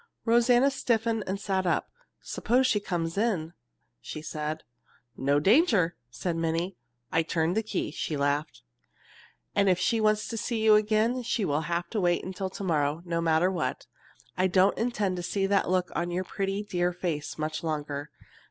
Rosanna stiffened and sat up. "Suppose she comes in?" she said. "No danger!" said Minnie. "I turned the key." She laughed. "If she wants to see you again she will have to wait until to morrow, no matter what. I don't intend to see that look on your pretty dear face much longer.